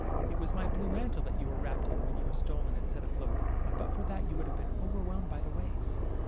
It was my blue mantle that you were wrapped in when you were stolen and set afloat, and but for that you would have been overwhelmed by the waves.